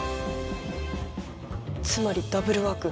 つまりダブルワーク。